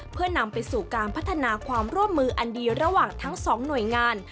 เพื่อนำไปสู่การพัฒนาความร่วมมืออันดีระหว่างทั้งสองหน่วยงาน